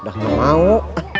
udah gak mau